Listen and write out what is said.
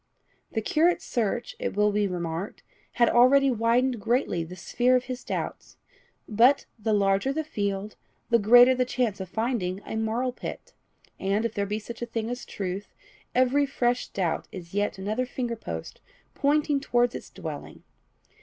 The curate's search, it will be remarked, had already widened greatly the sphere of his doubts; but, the larger the field, the greater the chance of finding a marl pit; and, if there be such a thing as truth, every fresh doubt is yet another finger post pointing towards its dwelling.